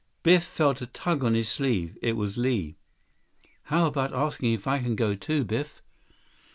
Biff felt a tug on his sleeve. It was Li. "How about asking if I can go, too, Biff?"